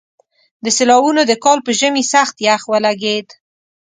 د سېلاوونو د کال په ژمي سخت يخ ولګېد.